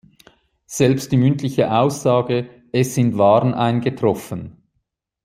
Selbst die mündliche Aussage:„"Es sind Waren eingetroffen.